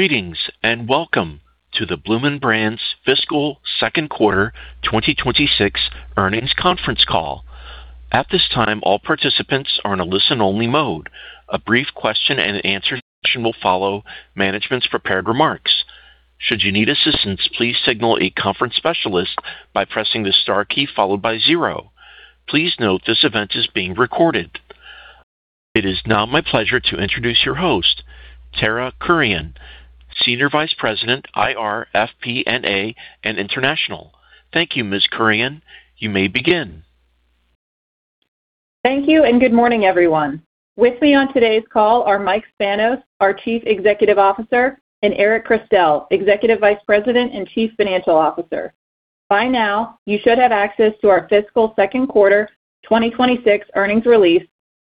Greetings, and welcome to the Bloomin' Brands fiscal second quarter 2026 earnings conference call. At this time, all participants are in a listen-only mode. A brief question-and-answer session will follow management's prepared remarks. Should you need assistance, please signal a conference specialist by pressing the star key followed by zero. Please note this event is being recorded. It is now my pleasure to introduce your host, Tara Kurian, Senior Vice President, Investor Relations, FP&A, and International. Thank you, Ms. Kurian. You may begin. Thank you, good morning, everyone. With me on today's call are Mike Spanos, our Chief Executive Officer, and Eric Christel, Executive Vice President and Chief Financial Officer. By now, you should have access to our fiscal second quarter 2026 earnings release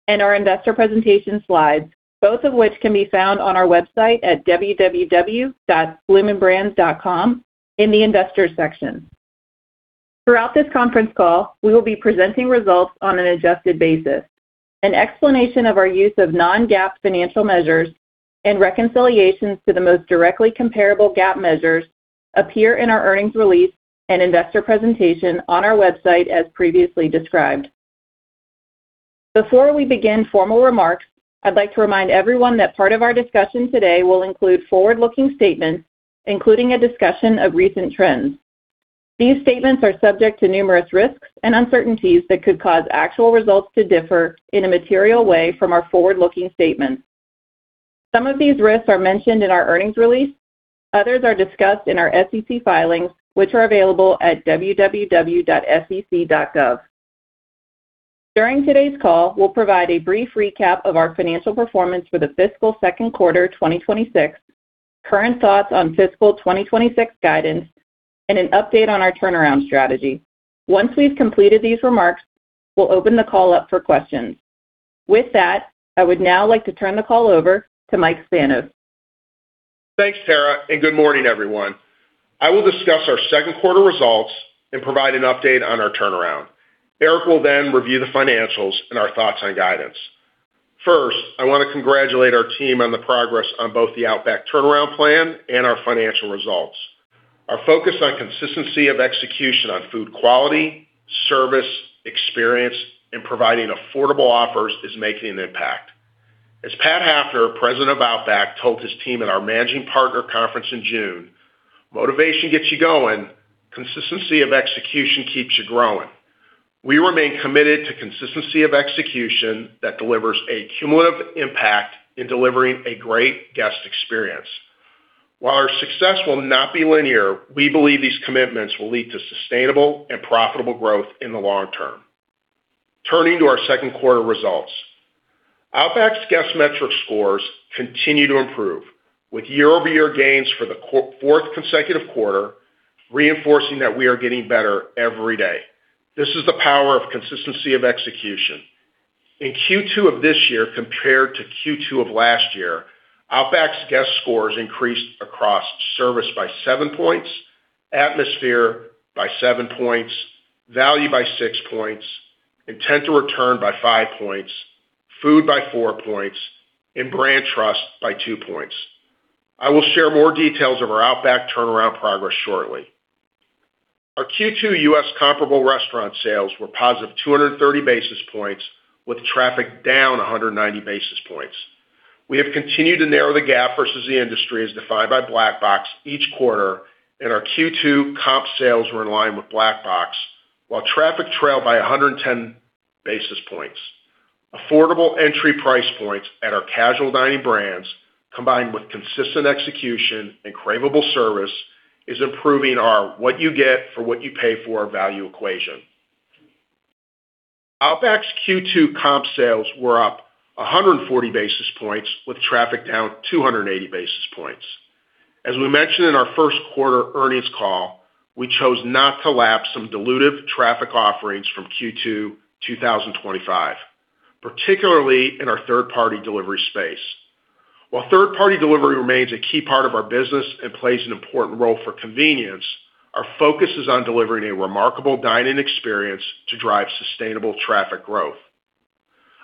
and our investor presentation slides, both of which can be found on our website at www.bloominbrands.com in the Investors section. Throughout this conference call, we will be presenting results on an adjusted basis. An explanation of our use of Non-GAAP financial measures and reconciliations to the most directly comparable GAAP measures appear in our earnings release and investor presentation on our website, as previously described. Before we begin formal remarks, I'd like to remind everyone that part of our discussion today will include forward-looking statements, including a discussion of recent trends. These statements are subject to numerous risks and uncertainties that could cause actual results to differ in a material way from our forward-looking statements. Some of these risks are mentioned in our earnings release. Others are discussed in our SEC filings, which are available at www.sec.gov. During today's call, we'll provide a brief recap of our financial performance for the fiscal second quarter 2026, current thoughts on fiscal 2026 guidance, and an update on our turnaround strategy. Once we've completed these remarks, we'll open the call up for questions. With that, I would now like to turn the call over to Mike Spanos. Thanks, Tara, good morning, everyone. I will discuss our second quarter results and provide an update on our turnaround. Eric will then review the financials and our thoughts on guidance. First, I want to congratulate our team on the progress on both the Outback turnaround plan and our financial results. Our focus on consistency of execution on food quality, service, experience, and providing affordable offers is making an impact. As Pat Hafner, President of Outback, told his team at our managing partner conference in June, "Motivation gets you going. Consistency of execution keeps you growing." We remain committed to consistency of execution that delivers a cumulative impact in delivering a great guest experience. While our success will not be linear, we believe these commitments will lead to sustainable and profitable growth in the long term. Turning to our second quarter results. Outback's guest metric scores continue to improve, with year-over-year gains for the fourth consecutive quarter, reinforcing that we are getting better every day. This is the power of consistency of execution. In Q2 of this year compared to Q2 of last year, Outback's guest scores increased across Service by 7 points, Atmosphere by 7 points, Value by 6 points, Intent to Return by 5 points, Food by 4 points, and Brand Trust by 2 points. I will share more details of our Outback turnaround progress shortly. Our Q2 U.S. comparable restaurant sales were positive 230 basis points, with traffic down 190 basis points. We have continued to narrow the gap versus the industry as defined by Black Box each quarter, and our Q2 comp sales were in line with Black Box, while traffic trailed by 110 basis points. Affordable entry price points at our casual dining brands, combined with consistent execution and craveable service, is improving our what you get for what you pay for value equation. Outback's Q2 comp sales were up 140 basis points, with traffic down 280 basis points. As we mentioned in our first quarter earnings call, we chose not to lap some dilutive traffic offerings from Q2 2025, particularly in our third-party delivery space. While third-party delivery remains a key part of our business and plays an important role for convenience, our focus is on delivering a remarkable dine-in experience to drive sustainable traffic growth.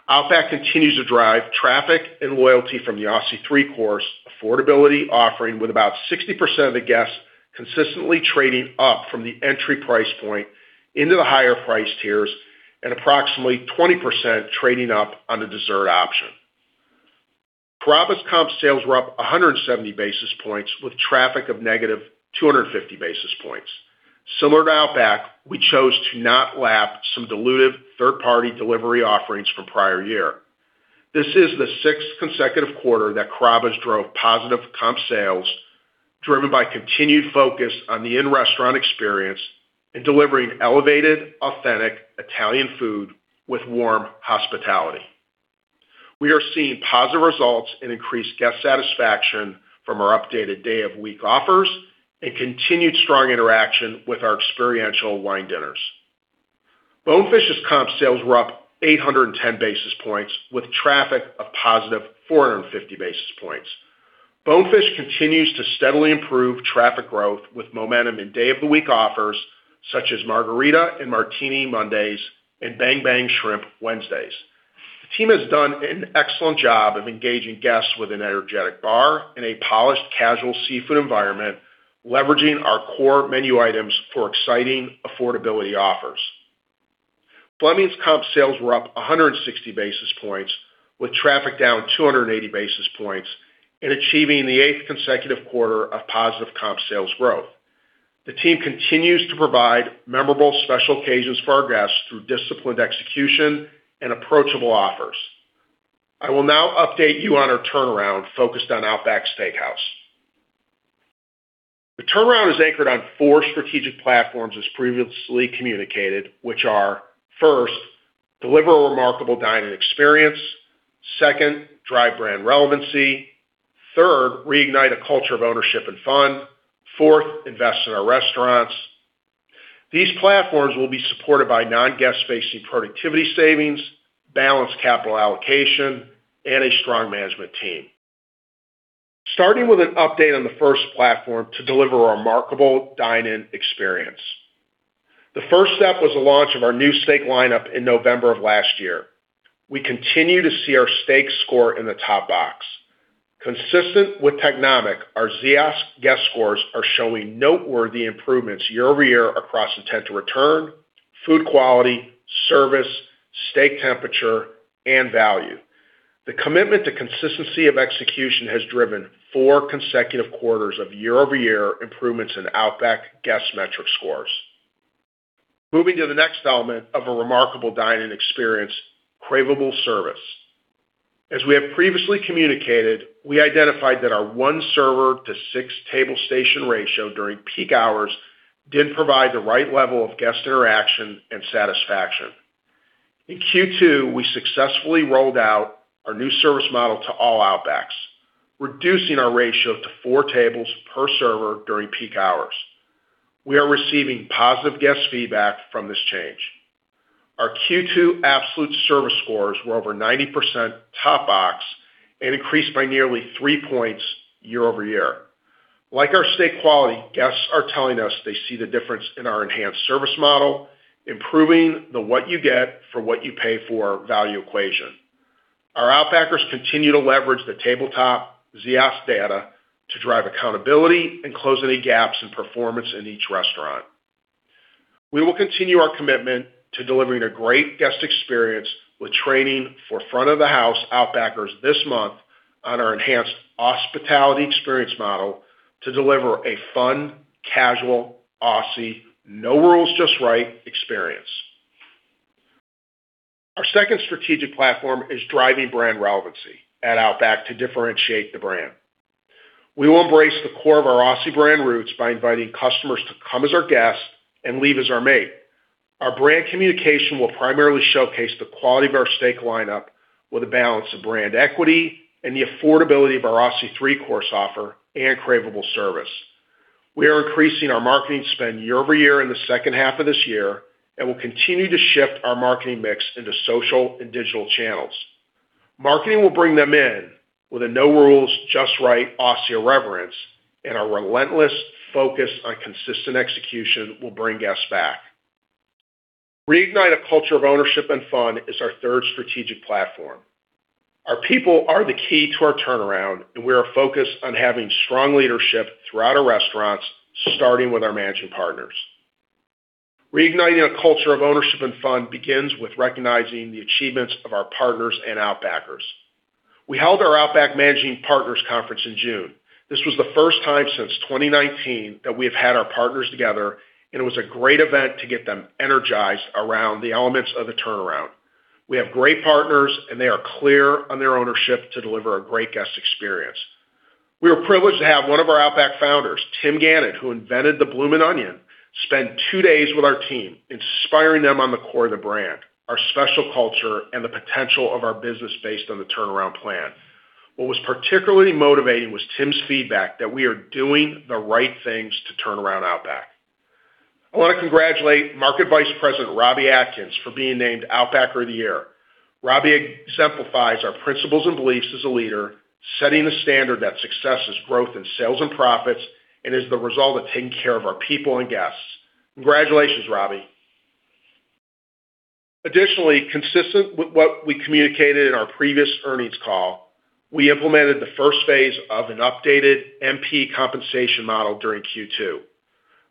Outback continues to drive traffic and loyalty from the Aussie 3-Course affordability offering, with about 60% of the guests consistently trading up from the entry price point into the higher price tiers and approximately 20% trading up on the dessert option. Carrabba's comp sales were up 170 basis points, with traffic of negative 250 basis points. Similar to Outback, we chose to not lap some dilutive third-party delivery offerings from prior year. This is the sixth consecutive quarter that Carrabba's drove positive comp sales, driven by continued focus on the in-restaurant experience and delivering elevated, authentic Italian food with warm hospitality. We are seeing positive results and increased guest satisfaction from our updated day-of-week offers and continued strong interaction with our experiential wine dinners. Bonefish's comp sales were up 810 basis points, with traffic of positive 450 basis points. Bonefish continues to steadily improve traffic growth with momentum in day-of-the-week offers such as Margarita and Martini Mondays and Bang Bang Shrimp Wednesdays. The team has done an excellent job of engaging guests with an energetic bar in a polished, casual seafood environment, leveraging our core menu items for exciting affordability offers. Fleming's comp sales were up 160 basis points with traffic down 280 basis points in achieving the eighth consecutive quarter of positive comp sales growth. The team continues to provide memorable special occasions for our guests through disciplined execution and approachable offers. I will now update you on our turnaround focused on Outback Steakhouse. The turnaround is anchored on four strategic platforms as previously communicated, which are, first, deliver a remarkable dine-in experience. Second, drive brand relevancy. Third, reignite a culture of ownership and fun. Fourth, invest in our restaurants. These platforms will be supported by non-guest-facing productivity savings, balanced capital allocation, and a strong management team. Starting with an update on the first platform to deliver a remarkable dine-in experience. The first step was the launch of our new steak lineup in November of last year. We continue to see our steak score in the top box. Consistent with Technomic, our Ziosk guest scores are showing noteworthy improvements year-over-year across intent to return, food quality, service, steak temperature, and value. The commitment to consistency of execution has driven four consecutive quarters of year-over-year improvements in Outback guest metric scores. Moving to the next element of a remarkable dine-in experience, craveable service. As we have previously communicated, we identified that our one server to six table station ratio during peak hours didn't provide the right level of guest interaction and satisfaction. In Q2, we successfully rolled out our new service model to all Outbacks, reducing our ratio to four tables per server during peak hours. We are receiving positive guest feedback from this change. Our Q2 absolute service scores were over 90% top box and increased by nearly three points year-over-year. Like our steak quality, guests are telling us they see the difference in our enhanced service model, improving the what you get for what you pay for value equation. Our Outbackers continue to leverage the tabletop Ziosk data to drive accountability and close any gaps in performance in each restaurant. We will continue our commitment to delivering a great guest experience with training for front of the house Outbackers this month on our enhanced hospitality experience model to deliver a fun, casual, Aussie, no rules, just right experience. Our second strategic platform is driving brand relevancy at Outback to differentiate the brand. We will embrace the core of our Aussie brand roots by inviting customers to come as our guests and leave as our mate. Our brand communication will primarily showcase the quality of our steak lineup with a balance of brand equity and the affordability of our Aussie 3-Course offer and craveable service. We are increasing our marketing spend year-over-year in the second half of this year and will continue to shift our marketing mix into social and digital channels. Marketing will bring them in with a no rules, just right Aussie irreverence, and our relentless focus on consistent execution will bring guests back. Reignite a culture of ownership and fun is our third strategic platform. Our people are the key to our turnaround, and we are focused on having strong leadership throughout our restaurants, starting with our managing partners. Reigniting a culture of ownership and fun begins with recognizing the achievements of our partners and Outbackers. We held our Outback Managing Partners Conference in June. This was the first time since 2019 that we have had our partners together, and it was a great event to get them energized around the elements of the turnaround. We have great partners, and they are clear on their ownership to deliver a great guest experience. We were privileged to have one of our Outback founders, Tim Gannon, who invented the Bloomin' Onion, spend two days with our team, inspiring them on the core of the brand, our special culture, and the potential of our business based on the turnaround plan. What was particularly motivating was Tim's feedback that we are doing the right things to turn around Outback. I want to congratulate Market Vice President Robbie Adkins for being named Outbacker of the Year. Robbie exemplifies our principles and beliefs as a leader, setting the standard that success is growth in sales and profits and is the result of taking care of our people and guests. Congratulations, Robbie. Additionally, consistent with what we communicated in our previous earnings call, we implemented the phase I of an updated MP compensation model during Q2.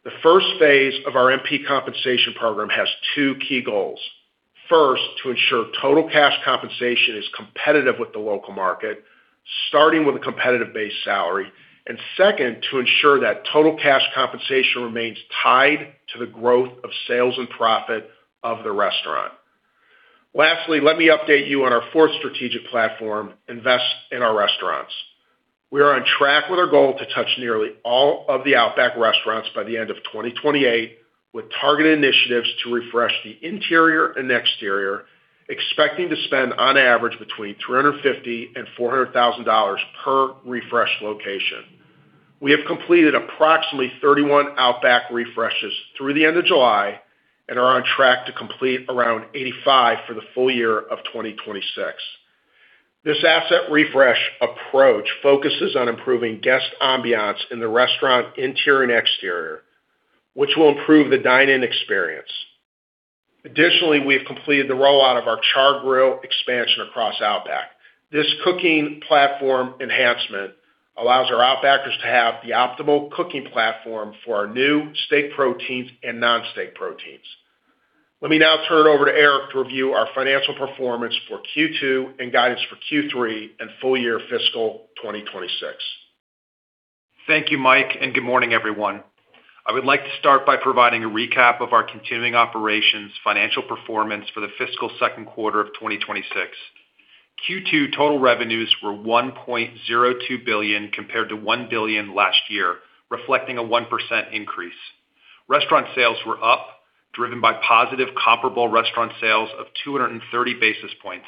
The phase I of our MP compensation program has two key goals. First, to ensure total cash compensation is competitive with the local market, starting with a competitive base salary. Second, to ensure that total cash compensation remains tied to the growth of sales and profit of the restaurant. Lastly, let me update you on our fourth strategic platform, invest in our restaurants. We are on track with our goal to touch nearly all of the Outback restaurants by the end of 2028 with targeted initiatives to refresh the interior and exterior, expecting to spend on average between $350,000-$400,000 per refreshed location. We have completed approximately 31 Outback refreshes through the end of July and are on track to complete around 85 for the full year of 2026. This asset refresh approach focuses on improving guest ambiance in the restaurant interior and exterior, which will improve the dine-in experience. Additionally, we have completed the rollout of our char grill expansion across Outback. This cooking platform enhancement allows our Outbackers to have the optimal cooking platform for our new steak proteins and non-steak proteins. Let me now turn it over to Eric to review our financial performance for Q2 and guidance for Q3 and full year fiscal 2026. Thank you, Mike, and good morning, everyone. I would like to start by providing a recap of our continuing operations financial performance for the fiscal second quarter of 2026. Q2 total revenues were $1.02 billion compared to $1 billion last year, reflecting a 1% increase. Restaurant sales were up, driven by positive comparable restaurant sales of 230 basis points.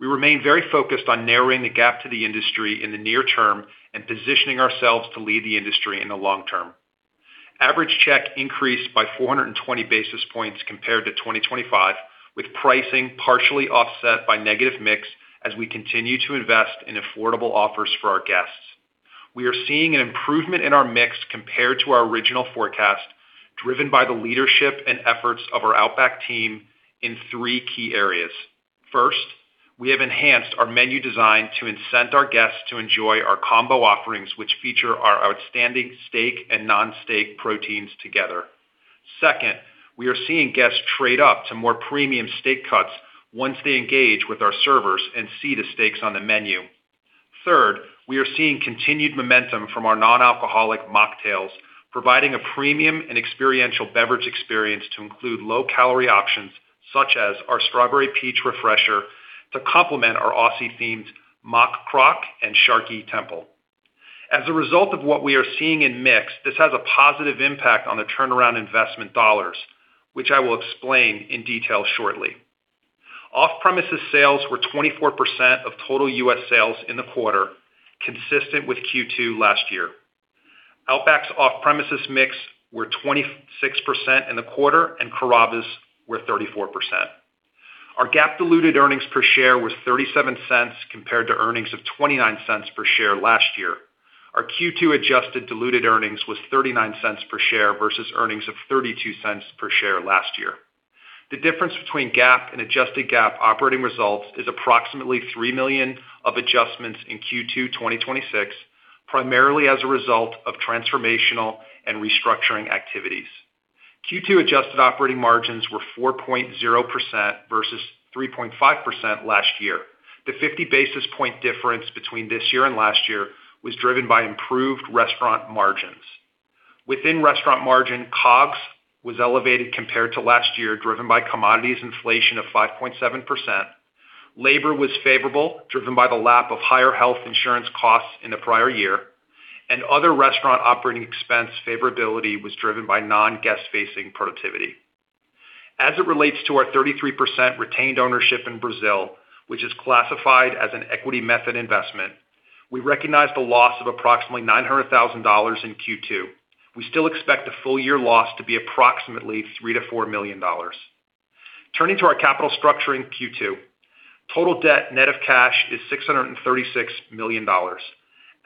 We remain very focused on narrowing the gap to the industry in the near term and positioning ourselves to lead the industry in the long term. Average check increased by 420 basis points compared to 2025, with pricing partially offset by negative mix as we continue to invest in affordable offers for our guests. We are seeing an improvement in our mix compared to our original forecast, driven by the leadership and efforts of our Outback team in three key areas. First, we have enhanced our menu design to incent our guests to enjoy our combo offerings, which feature our outstanding steak and non-steak proteins together. Second, we are seeing guests trade up to more premium steak cuts once they engage with our servers and see the steaks on the menu. Third, we are seeing continued momentum from our non-alcoholic mocktails, providing a premium and experiential beverage experience to include low-calorie options such as our Strawberry Peach Refresher to complement our Aussie-themed Mock Crock and Sharky Temple. As a result of what we are seeing in mix, this has a positive impact on the turnaround investment dollars, which I will explain in detail shortly. Off-premises sales were 24% of total U.S. sales in the quarter, consistent with Q2 last year. Outback's off-premises mix were 26% in the quarter, and Carrabba's were 34%. Our GAAP diluted earnings per share was $0.37 compared to earnings of $0.29 per share last year. Our Q2 adjusted diluted earnings was $0.39 per share versus earnings of $0.32 per share last year. The difference between GAAP and adjusted GAAP operating results is approximately $3 million of adjustments in Q2 2026, primarily as a result of transformational and restructuring activities. Q2 adjusted operating margins were 4.0% versus 3.5% last year. The 50 basis point difference between this year and last year was driven by improved restaurant margins. Within restaurant margin, COGS was elevated compared to last year, driven by commodities inflation of 5.7%. Labor was favorable, driven by the lap of higher health insurance costs in the prior year, and other restaurant operating expense favorability was driven by non-guest-facing productivity. As it relates to our 33% retained ownership in Brazil, which is classified as an equity method investment, we recognized a loss of approximately $900,000 in Q2. We still expect the full year loss to be approximately $3 million-$4 million. Turning to our capital structure in Q2, total debt net of cash is $636 million.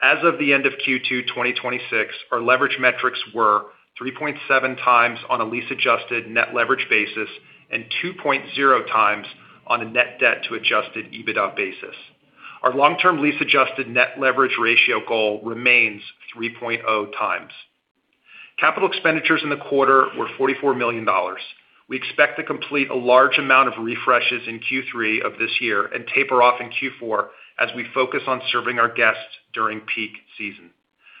As of the end of Q2 2026, our leverage metrics were 3.7x on a lease-adjusted net leverage basis and 2.0x on a net debt to adjusted EBITDA basis. Our long-term lease-adjusted net leverage ratio goal remains 3.0x. Capital expenditures in the quarter were $44 million. We expect to complete a large amount of refreshes in Q3 of this year and taper off in Q4 as we focus on serving our guests during peak season.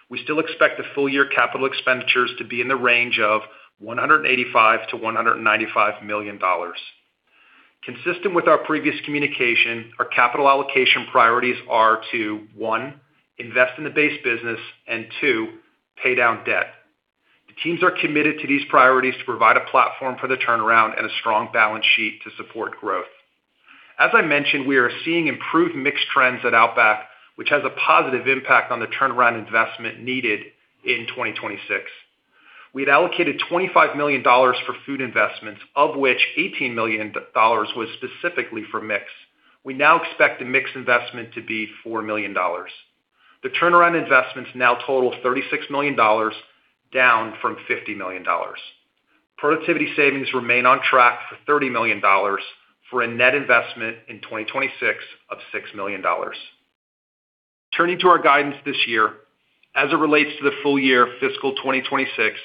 We still expect the full year capital expenditures to be in the range of $185 million-$195 million. Consistent with our previous communication, our capital allocation priorities are to, one, invest in the base business, and two, pay down debt. The teams are committed to these priorities to provide a platform for the turnaround and a strong balance sheet to support growth. As I mentioned, we are seeing improved mix trends at Outback, which has a positive impact on the turnaround investment needed in 2026. We had allocated $25 million for food investments, of which $18 million was specifically for mix. We now expect the mix investment to be $4 million. The turnaround investments now total $36 million, down from $50 million. Productivity savings remain on track for $30 million, for a net investment in 2026 of $6 million. Turning to our guidance this year, as it relates to the full year fiscal 2026,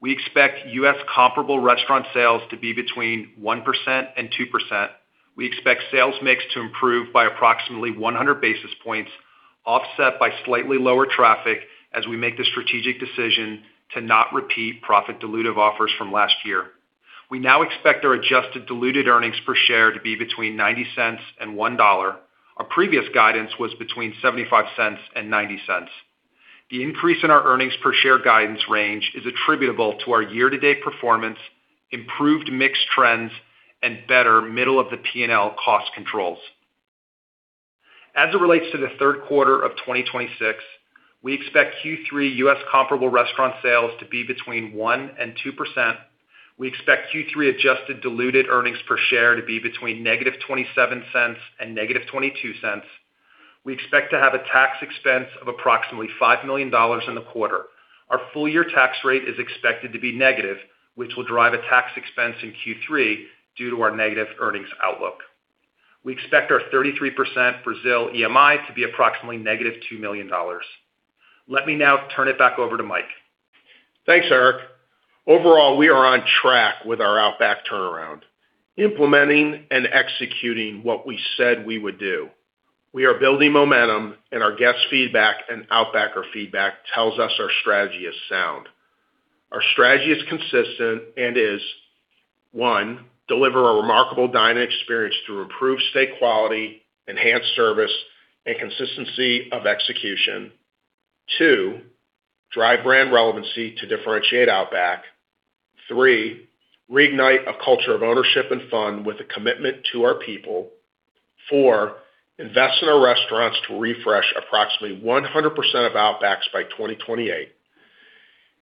we expect U.S. comparable restaurant sales to be between 1%-2%. We expect sales mix to improve by approximately 100 basis points, offset by slightly lower traffic as we make the strategic decision to not repeat profit dilutive offers from last year. We now expect our adjusted diluted earnings per share to be between $0.90-$1.00. Our previous guidance was between $0.75-$0.90. The increase in our earnings per share guidance range is attributable to our year-to-date performance, improved mix trends, and better middle of the P&L cost controls. As it relates to the third quarter of 2026, we expect Q3 U.S. comparable restaurant sales to be between 1%-2%. We expect Q3 adjusted diluted earnings per share to be between -$0.27 and -$0.22. We expect to have a tax expense of approximately $5 million in the quarter. Our full year tax rate is expected to be negative, which will drive a tax expense in Q3 due to our negative earnings outlook. We expect our 33% Brazil EMI to be approximately -$2 million. Let me now turn it back over to Mike. Thanks, Eric. Overall, we are on track with our Outback turnaround, implementing and executing what we said we would do. We are building momentum and our guest feedback and Outbacker feedback tells us our strategy is sound. Our strategy is consistent and is, one, deliver a remarkable dining experience through improved steak quality, enhanced service, and consistency of execution. Two, drive brand relevancy to differentiate Outback. Three, reignite a culture of ownership and fun with a commitment to our people. Four, invest in our restaurants to refresh approximately 100% of Outbacks by 2028.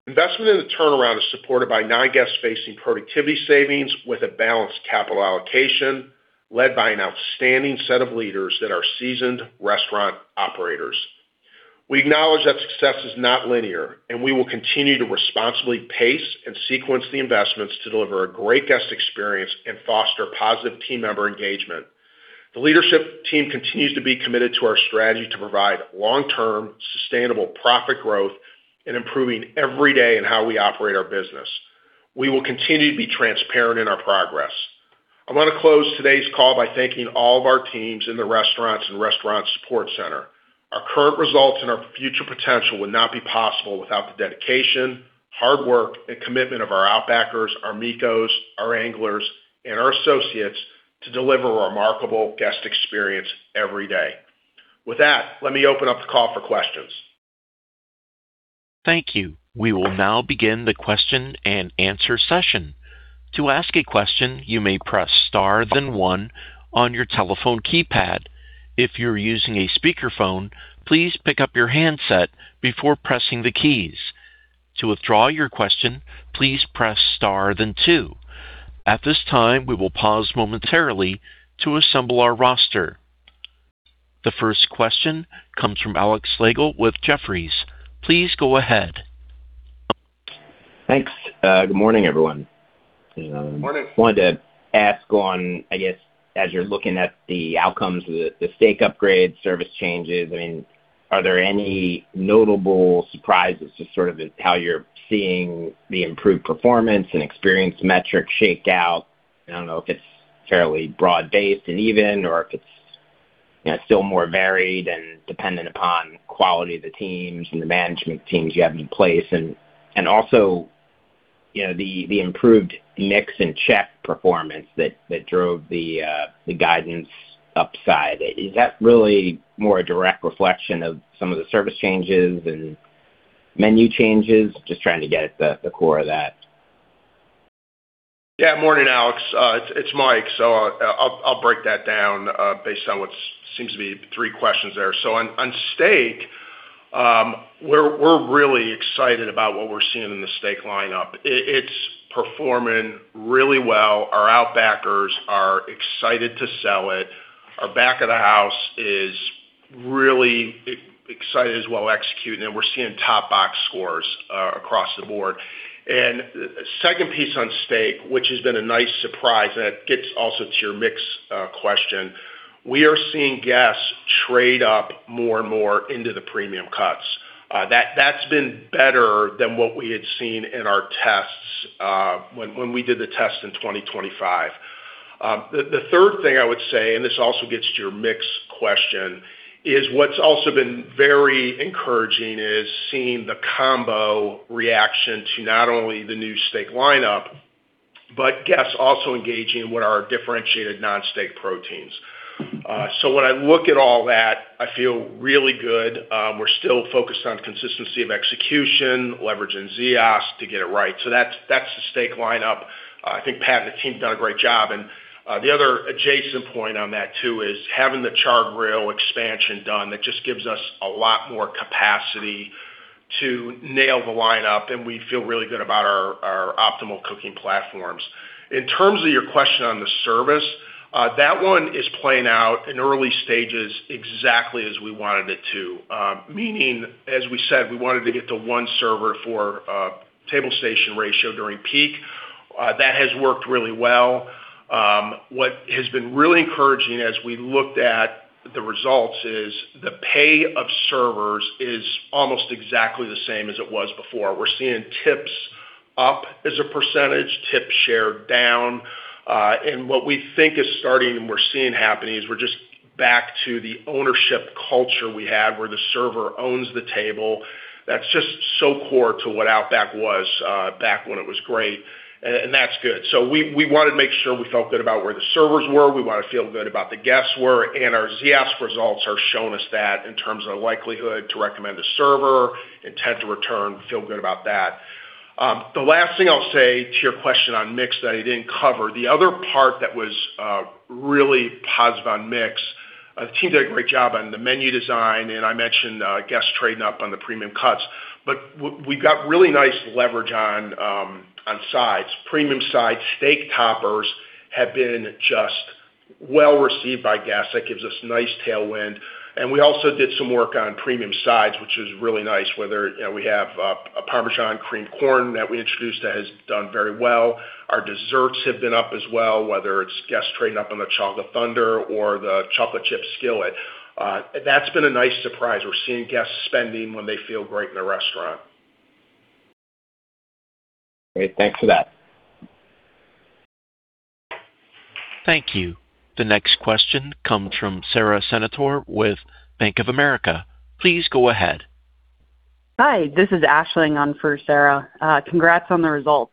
Investment in the turnaround is supported by non-guest-facing productivity savings with a balanced capital allocation led by an outstanding set of leaders that are seasoned restaurant operators. We acknowledge that success is not linear, and we will continue to responsibly pace and sequence the investments to deliver a great guest experience and foster positive team member engagement. The leadership team continues to be committed to our strategy to provide long-term sustainable profit growth and improving every day in how we operate our business. We will continue to be transparent in our progress. I want to close today's call by thanking all of our teams in the restaurants and restaurant support center. Our current results and our future potential would not be possible without the dedication, hard work, and commitment of our Outbackers, our Mikos, our Anglers, and our associates to deliver a remarkable guest experience every day. With that, let me open up the call for questions. Thank you. We will now begin the question and answer session. To ask a question, you may press star then one on your telephone keypad. If you're using a speakerphone, please pick up your handset before pressing the keys. To withdraw your question, please press star then two. At this time, we will pause momentarily to assemble our roster. The first question comes from Alex Slagle with Jefferies. Please go ahead. Thanks. Good morning, everyone. Morning. Wanted to ask on, I guess, as you're looking at the outcomes of the steak upgrade, service changes, I mean, are there any notable surprises to sort of how you're seeing the improved performance and experience metrics shake out? I don't know if it's fairly broad-based and even or if it's still more varied and dependent upon quality of the teams and the management teams you have in place. Also, the improved mix and check performance that drove the guidance upside. Is that really more a direct reflection of some of the service changes and menu changes? Just trying to get at the core of that. Yeah. Morning, Alex. It's Mike. I'll break that down, based on what seems to be three questions there. On steak, we're really excited about what we're seeing in the steak lineup. It's performing really well. Our Outbackers are excited to sell it. Our back of the house is really excited as well executing. We're seeing top box scores across the board. Second piece on steak, which has been a nice surprise, and it gets also to your mix question. We are seeing guests trade up more and more into the premium cuts. That's been better than what we had seen in our tests when we did the test in 2025. The third thing I would say, and this also gets to your mix question, is what's also been very encouraging is seeing the combo reaction to not only the new steak lineup, but guests also engaging in what are our differentiated non-steak proteins. When I look at all that, I feel really good. We're still focused on consistency of execution, leveraging Ziosk to get it right. That's the steak lineup. I think Pat and the team have done a great job. The other adjacent point on that too is having the char grill expansion done. That just gives us a lot more capacity to nail the lineup, and we feel really good about our optimal cooking platforms. In terms of your question on the service, that one is playing out in early stages exactly as we wanted it to. Meaning, as we said, we wanted to get to one server for table station ratio during peak. That has worked really well. What has been really encouraging as we looked at the results is the pay of servers is almost exactly the same as it was before. We're seeing tips up as a percentage, tip share down. What we think is starting and we're seeing happening is we're just back to the ownership culture we had where the server owns the table. That's just so core to what Outback was back when it was great, and that's good. We wanted to make sure we felt good about where the servers were. We want to feel good about the guests were, and our Ziosk results are showing us that in terms of likelihood to recommend a server, intent to return, feel good about that. The last thing I'll say to your question on mix that I didn't cover. The other part that was really positive on mix. The team did a great job on the menu design, and I mentioned guests trading up on the premium cuts. We've got really nice leverage on sides. Premium sides, steak toppers have been just well-received by guests. That gives us nice tailwind. We also did some work on premium sides, which is really nice. We have a Parmesan Creamed Corn that we introduced that has done very well. Our desserts have been up as well, whether it's guests trading up on the Chocolate Thunder or the Chocolate Chip Cookie Skillet. That's been a nice surprise. We're seeing guests spending when they feel great in a restaurant. Great. Thanks for that. Thank you. The next question comes from Sara Senatore with Bank of America. Please go ahead. Hi, this is Aisling on for Sara. Congrats on the results.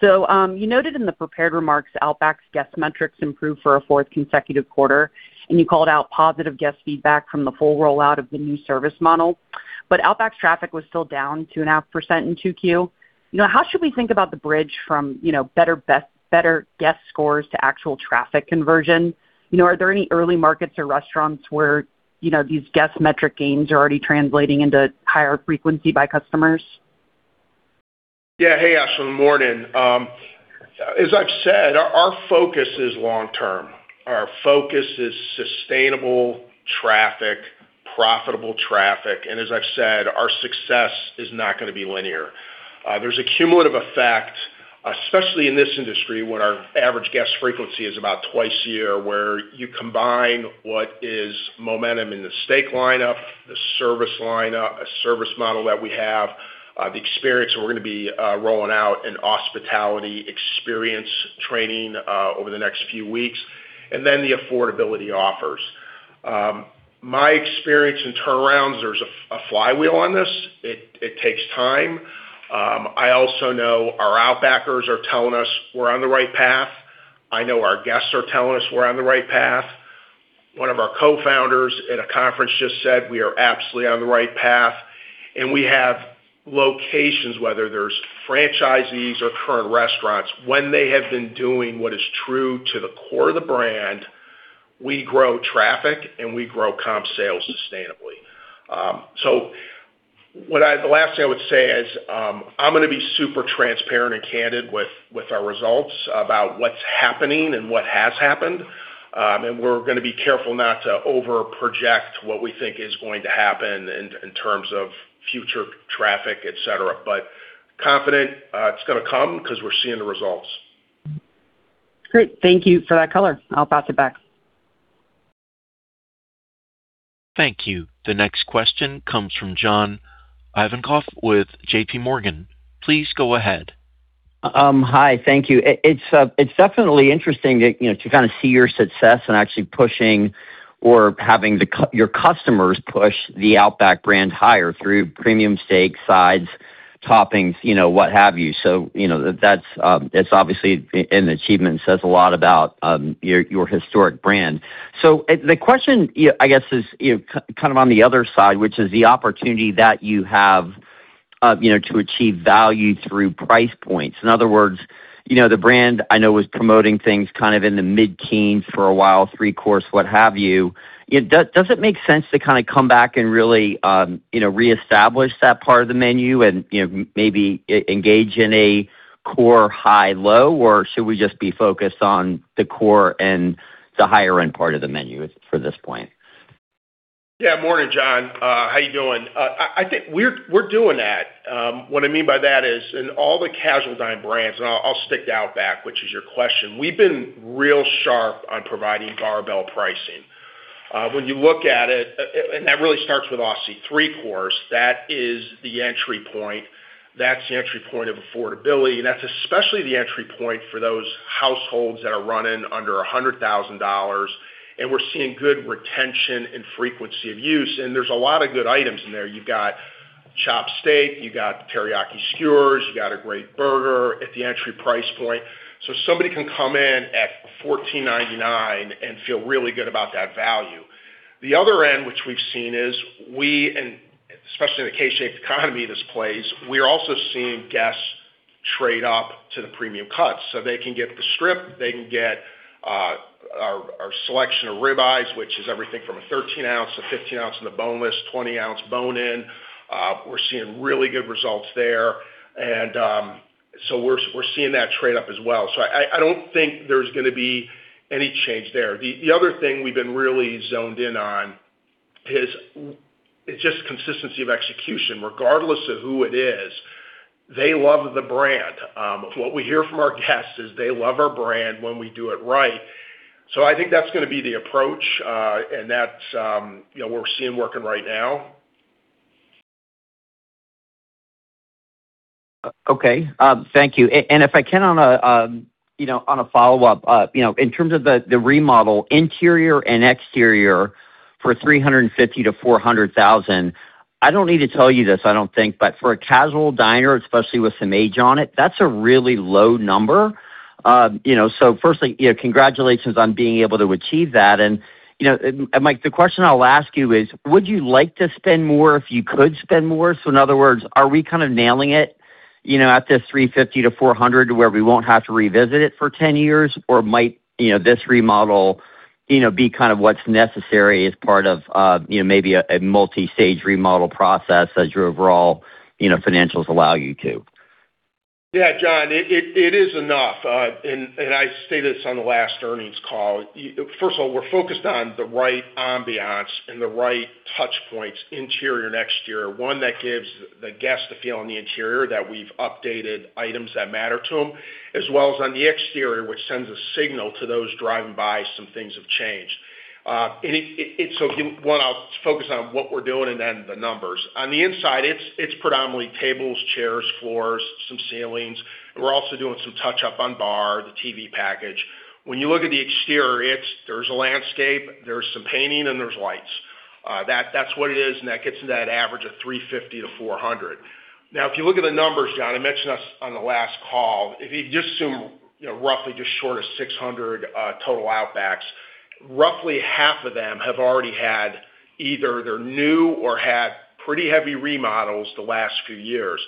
You noted in the prepared remarks Outback's guest metrics improved for a fourth consecutive quarter, and you called out positive guest feedback from the full rollout of the new service model. Outback's traffic was still down 2.5% in 2Q. How should we think about the bridge from better guest scores to actual traffic conversion? Are there any early markets or restaurants where these guest metric gains are already translating into higher frequency by customers? Hey, Aisling. Morning. As I've said, our focus is long term. Our focus is sustainable traffic, profitable traffic. As I've said, our success is not going to be linear. There's a cumulative effect, especially in this industry, when our average guest frequency is about twice a year, where you combine what is momentum in the steak lineup, the service lineup, a service model that we have, the experience, and we're going to be rolling out an Aussiepitality experience training over the next few weeks, and then the affordability offers. My experience in turnarounds, there's a flywheel on this. It takes time. I also know our Outbackers are telling us we're on the right path. I know our guests are telling us we're on the right path. One of our co-founders at a conference just said we are absolutely on the right path, and we have locations, whether there's franchisees or current restaurants, when they have been doing what is true to the core of the brand, we grow traffic, and we grow comp sales sustainably. The last thing I would say is, I'm going to be super transparent and candid with our results about what's happening and what has happened. We're going to be careful not to over-project what we think is going to happen in terms of future traffic, et cetera. Confident it's going to come because we're seeing the results. Great. Thank you for that color. I'll pass it back. Thank you. The next question comes from John Ivankoe with JPMorgan. Please go ahead. Hi. Thank you. It's definitely interesting to kind of see your success in actually pushing or having your customers push the Outback brand higher through premium steak, sides, toppings, what have you. That's obviously an achievement and says a lot about your historic brand. The question, I guess, is kind of on the other side, which is the opportunity that you have to achieve value through price points. In other words, the brand I know was promoting things kind of in the mid-teens for a while, 3-Course, what have you. Does it make sense to kind of come back and really reestablish that part of the menu and maybe engage in a core high-low, or should we just be focused on the core and the higher end part of the menu for this point? Morning, John. How you doing? I think we're doing that. What I mean by that is in all the casual dine brands, I'll stick to Outback, which is your question. We've been real sharp on providing barbell pricing. When you look at it, that really starts with Aussie 3-Course Meal, that is the entry point. That's the entry point of affordability, and that's especially the entry point for those households that are running under $100,000, and we're seeing good retention and frequency of use, and there's a lot of good items in there. You've got chopped steak, you've got teriyaki skewers, you've got a great burger at the entry price point. Somebody can come in at $14.99 and feel really good about that value. The other end which we've seen is, especially in the K-shaped economy this plays, we're also seeing guests trade up to the premium cuts. They can get the strip, they can get our selection of ribeyes, which is everything from a 13 ounce to 15 ounce in the boneless, 20 ounce bone-in. We're seeing really good results there. We're seeing that trade up as well. I don't think there's going to be any change there. The other thing we've been really zoned in on is just consistency of execution. Regardless of who it is, they love the brand. What we hear from our guests is they love our brand when we do it right. I think that's going to be the approach, and that's what we're seeing working right now. Okay. Thank you. If I can on a follow-up. In terms of the remodel interior and exterior for $350,000-$400,000, I don't need to tell you this, I don't think, but for a casual diner, especially with some age on it, that's a really low number. Firstly, congratulations on being able to achieve that. Mike, the question I'll ask you is, would you like to spend more if you could spend more? In other words, are we kind of nailing it at this $350,000-$400,000 to where we won't have to revisit it for 10 years? Or might this remodel be kind of what's necessary as part of maybe a multi-stage remodel process as your overall financials allow you to. Yeah, John, it is enough, and I stated this on the last earnings call. First of all, we're focused on the right ambiance and the right touch points interior and exterior. One that gives the guest the feel on the interior that we've updated items that matter to them, as well as on the exterior, which sends a signal to those driving by some things have changed. One, I'll focus on what we're doing and then the numbers. On the inside, it's predominantly tables, chairs, floors, some ceilings. We're also doing some touch-up on bar, the TV package. When you look at the exterior, there's a landscape, there's some painting, and there's lights. That's what it is, and that gets into that average of $350,000-$400,000. If you look at the numbers, John, I mentioned this on the last call. If you just assume roughly just short of 600 total Outbacks, roughly half of them have already had either their new or had pretty heavy remodels the last few years.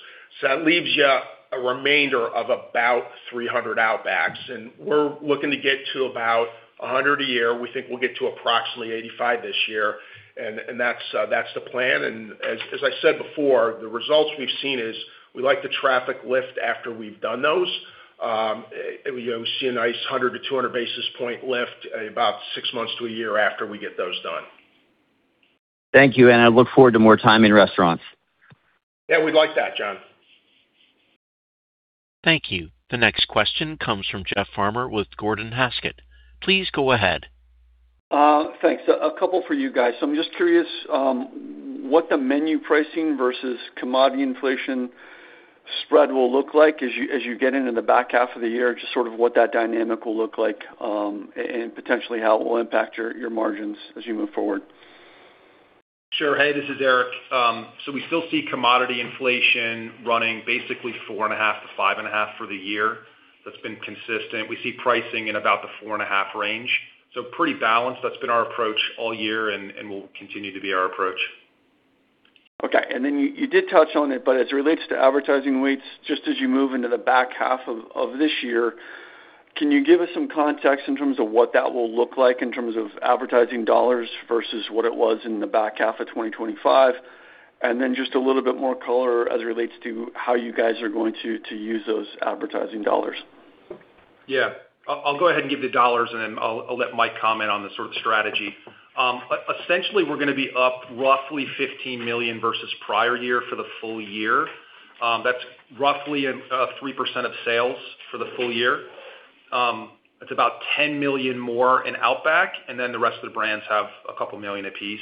That leaves you a remainder of about 300 Outbacks, and we're looking to get to about 100 a year. We think we'll get to approximately 85 this year. That's the plan. As I said before, the results we've seen is we like the traffic lift after we've done those. We see a nice 100 basis points-200 basis point lift about six months to a year after we get those done. Thank you. I look forward to more time in restaurants. Yeah, we'd like that, John. Thank you. The next question comes from Jeff Farmer with Gordon Haskett. Please go ahead. Thanks. A couple for you guys. I'm just curious, what the menu pricing versus commodity inflation spread will look like as you get into the back half of the year, just sort of what that dynamic will look like, and potentially how it will impact your margins as you move forward. Sure. Hey, this is Eric. We still see commodity inflation running basically 4.5%-5.5% for the year. That's been consistent. We see pricing in about the 4.5% range. Pretty balanced. That's been our approach all year and will continue to be our approach. Okay. You did touch on it, but as it relates to advertising weights, just as you move into the back half of this year, can you give us some context in terms of what that will look like in terms of advertising dollars versus what it was in the back half of 2025? Just a little bit more color as it relates to how you guys are going to use those advertising dollars. Yeah. I'll go ahead and give the dollars and then I'll let Mike comment on the sort of strategy. Essentially, we're going to be up roughly $15 million versus prior year for the full year. That's roughly 3% of sales for the full year. It's about $10 million more in Outback, and then the rest of the brands have a couple million a piece.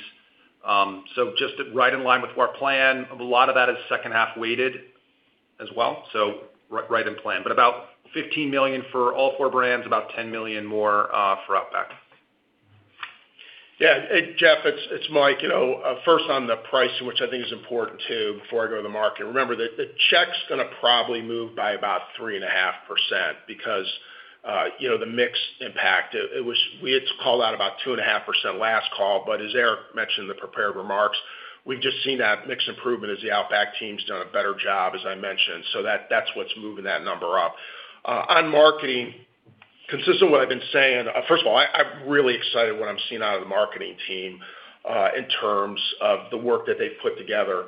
Just right in line with our plan. A lot of that is second half weighted as well, so right in plan. About $15 million for all four brands, about $10 million more for Outback. Yeah, Jeff, it's Mike. First, on the pricing, which I think is important, too, before I go to the market. Remember, the check's going to probably move by about 3.5% because the mix impact. We had called out about 2.5% last call, but as Eric mentioned in the prepared remarks, we've just seen that mix improvement as the Outback team's done a better job, as I mentioned. That's what's moving that number up. On marketing, consistent with what I've been saying. First of all, I'm really excited what I'm seeing out of the marketing team in terms of the work that they've put together.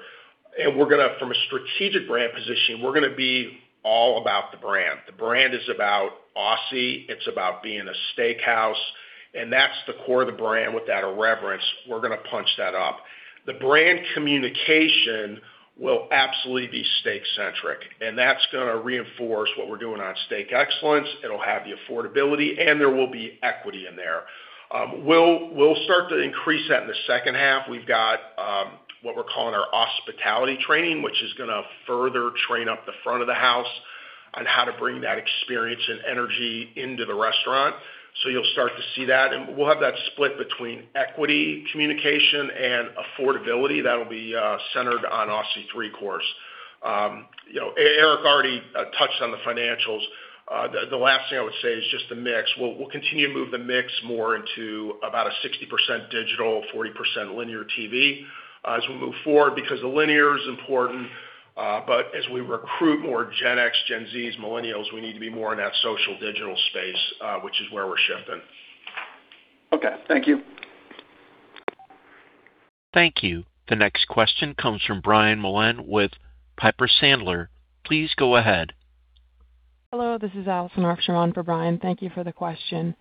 From a strategic brand position, we're going to be all about the brand. The brand is about Aussie, it's about being a steakhouse, and that's the core of the brand with that irreverence. We're going to punch that up. The brand communication will absolutely be steak-centric, and that's going to reinforce what we're doing on steak excellence. It'll have the affordability, and there will be equity in there. We'll start to increase that in the second half. We've got what we're calling our Aussiepitality training, which is going to further train up the front of the house on how to bring that experience and energy into the restaurant. You'll start to see that. We'll have that split between equity communication and affordability. That'll be centered on Aussie 3-Course Meal. Eric already touched on the financials. The last thing I would say is just the mix. We'll continue to move the mix more into about a 60% digital, 40% linear TV as we move forward because the linear is important. As we recruit more Gen X, Gen Zs, millennials, we need to be more in that social digital space, which is where we're shifting. Okay, thank you. Thank you. The next question comes from Brian Mullan with Piper Sandler. Please go ahead. Hello, this is Allison Archambault for Brian. Thank you for the question.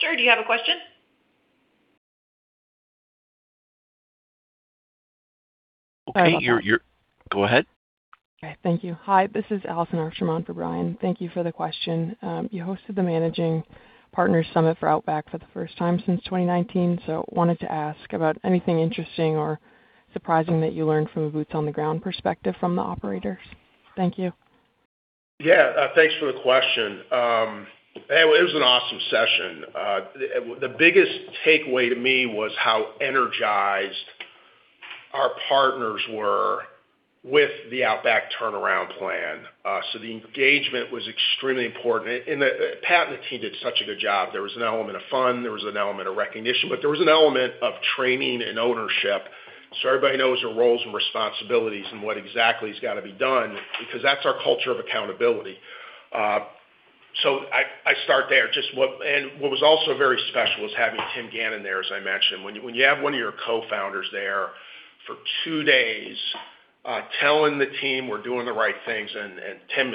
Sir, do you have a question? Go ahead. Okay, thank you. Hi, this is Allison Archambault for Brian. Thank you for the question. I wanted to ask about anything interesting or surprising that you learned from a boots on the ground perspective from the operators. You hosted the Managing Partners Summit for Outback for the first time since 2019. Thank you. Yeah. Thanks for the question. It was an awesome session. The biggest takeaway to me was how energized our partners were with the Outback turnaround plan. The engagement was extremely important, and the Pat team did such a good job. There was an element of fun, there was an element of recognition, but there was an element of training and ownership, so everybody knows their roles and responsibilities and what exactly has got to be done, because that's our culture of accountability. I start there. What was also very special was having Tim Gannon there, as I mentioned. When you have one of your co-founders there for two days telling the team we're doing the right things, and Tim,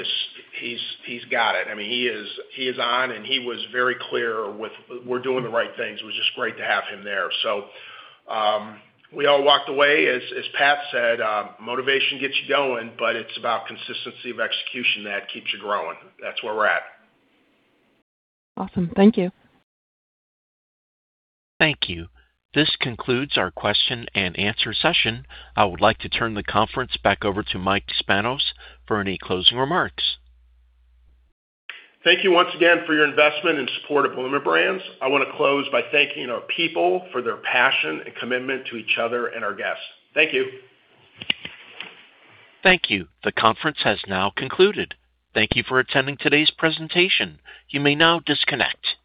he's got it. I mean, he is on, and he was very clear with we're doing the right things. It was just great to have him there. We all walked away, as Pat said, motivation gets you going, but it's about consistency of execution that keeps you growing. That's where we're at. Awesome. Thank you. Thank you. This concludes our question and answer session. I would like to turn the conference back over to Mike Spanos for any closing remarks. Thank you once again for your investment and support of Bloomin' Brands. I want to close by thanking our people for their passion and commitment to each other and our guests. Thank you. Thank you. The conference has now concluded. Thank you for attending today's presentation. You may now disconnect.